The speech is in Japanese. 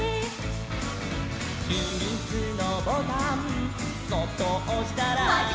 「ひみつのボタンそっとおしたら」「」